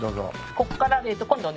ここから今度ね